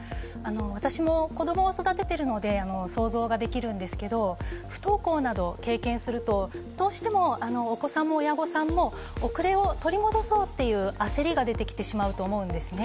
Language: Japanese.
私も子供を育てているので想像できますが不登校などを経験するとどうしてもお子さんも親御さんも遅れを取り戻そうっていう焦りが出てきてしまうと思うんですね。